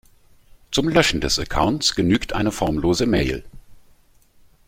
Zum Löschen des Accounts genügt eine formlose Mail.